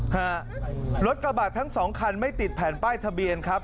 ฮะรถกระบะทั้งสองคันไม่ติดแผ่นป้ายทะเบียนครับ